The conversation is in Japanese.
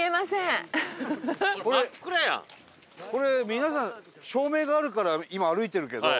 これ皆さん照明があるから今歩いてるけど。